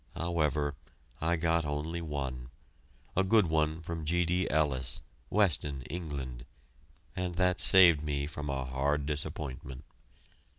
However, I got only one, a good one from G. D. Ellis, Weston, England, and that saved me from a hard disappointment.